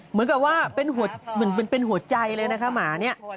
เหมือนกับว่าเป็นหัวใจเลยนะคะหมาเนี่ย